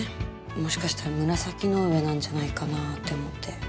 もしかしたら紫の上なんじゃないかなって思って。